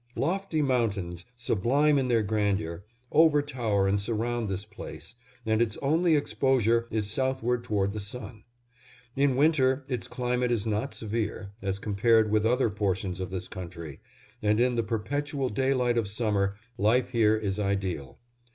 Lofty mountains, sublime in their grandeur, overtower and surround this place, and its only exposure is southward toward the sun. In winter its climate is not severe, as compared with other portions of this country, and in the perpetual daylight of summer, life here is ideal.